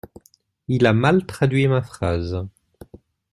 Il a mal traduit ma phrase.